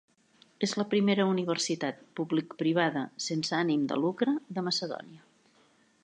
És la primera universitat públic-privada sense ànim de lucre de Macedònia.